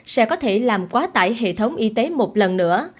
sẽ có thể làm quá tải hệ thống y tế một lần nữa